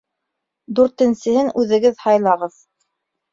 Дүртенсеһен үҙегеҙ һайлағыҙ.